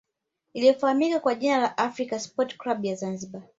iliyofahamika kwa jina la african sport club ya zanzibar